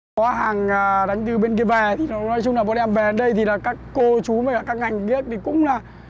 có hàng đánh từ bên kia về thì nói chung là bọn em về đến đây thì là các cô chú và các ngành nghiệp thì cũng là